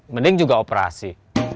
mending juga operasi